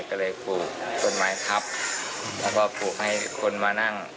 ก็เลยปลูกต้นไม้ทับแล้วก็ปลูกให้คนมานั่ง